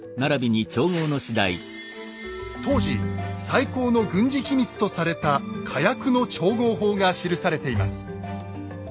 当時最高の軍事機密とされた火薬の調合法が記されています。